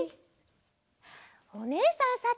おねえさん